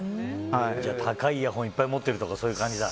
高いイヤホンいっぱい持ってるとか、そういう感じだ。